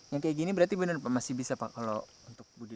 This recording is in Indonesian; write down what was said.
yang kayak gini berarti benar pak masih bisa pak kalau untuk budi